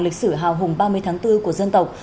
lịch sử hào hùng ba mươi tháng bốn của dân tộc